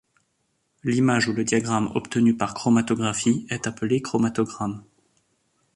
L'image ou le diagramme obtenu par chromatographie est appelé chromatogramme.